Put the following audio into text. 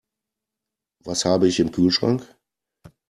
Was habe ich im Kühlschrank?